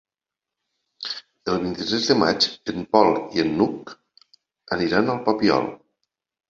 El vint-i-tres de maig en Pol i n'Hug iran al Papiol.